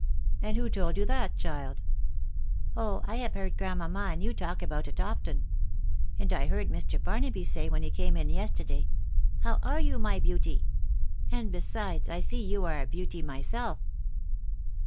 " And who told you that, child ?"" Oh ! I have heard grandmamma and you talk about it very often ;.•. and I heard Mr. Barnaby say, when he came in yesterday, * How are you, my beauty ?'•.. and besides I see you are a beauty myself."